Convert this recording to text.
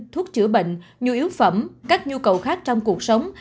thuốc chữa bệnh nhu yếu phẩm các nhu cầu khác trong cuộc sống